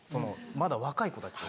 まだ若い子たちを。